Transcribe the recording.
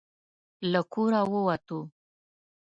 له کوره ووتو.